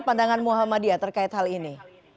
pandangan muhammadiyah terkait hal ini